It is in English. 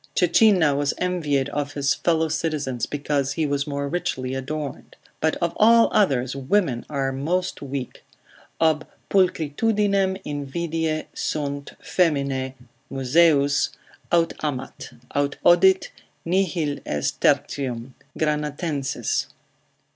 Cecinna was envied of his fellow citizens, because he was more richly adorned. But of all others, women are most weak, ob pulchritudinem invidae sunt foeminae (Musaeus) aut amat, aut odit, nihil est tertium (Granatensis.)